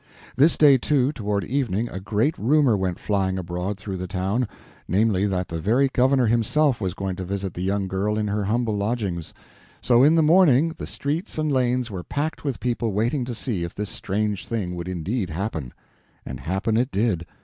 This day, too, toward evening, a great rumor went flying abroad through the town—namely, that the very governor himself was going to visit the young girl in her humble lodgings. So in the morning the streets and lanes were packed with people waiting to see if this strange thing would indeed happen. And happen it did.